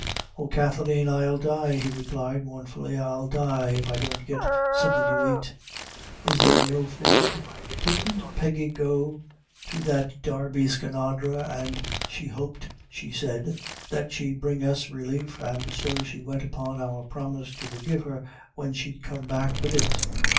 "Oh, Kathleen, I'll die," he replied, mournfully, "I'll die if I don't get something to ait. Is there no food? Didn't Peggy go to thry Darby Skinadre, an' she hoped, she said, that she'd bring us relief; an' so she went upon our promise to forgive her when she'd come back wid it."